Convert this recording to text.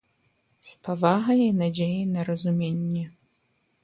З павагай і надзеяй на разуменне.